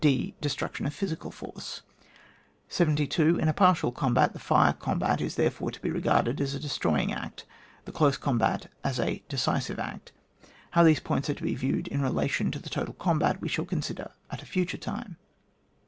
{d) Destruction of physical force. 72. In a partial combat, the fire com bat is therefore to be regarded as a de stroying act, the close combat as a deci sive act. How these points are to be viewed in relation to the total combat we shall consider at a future time.